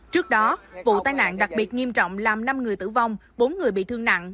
trước đó vụ tai nạn đặc biệt nghiêm trọng làm năm người tử vong bốn người bị thương nặng